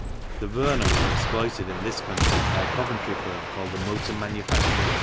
The Werner was exploited in this country by a Coventry firm called the Motor Manufacturing Co.